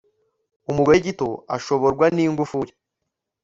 umugore gito ashoborwa n'ingufuri